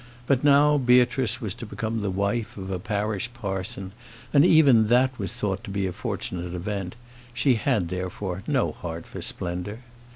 But now, Beatrice was to become the wife of a parish parson, and even that was thought to be a fortunate event; she had, therefore, no heart for splendour.